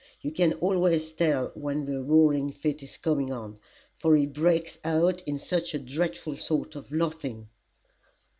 You can always tell when the roaring fit is coming on for he breaks out in such a dreadful sort of laughing."